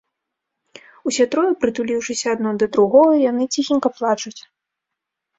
Усе трое, прытуліўшыся адно да другога, яны ціхенька плачуць.